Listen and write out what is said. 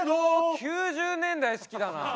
９０年代好きだな。